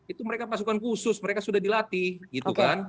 itu mereka pasukan khusus mereka sudah dilatih